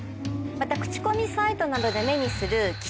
また口コミサイトなどで目にする。